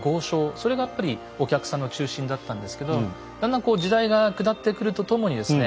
それがやっぱりお客さんの中心だったんですけどだんだんこう時代が下ってくるとともにですね